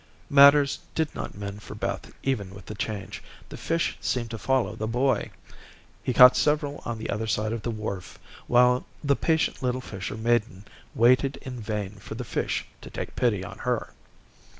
Matters did not mend for Beth even with the change. The fish seemed to follow the boy. He caught several on the other side of the wharf, while the patient little fisher maiden waited in vain for the fish to take pity on her.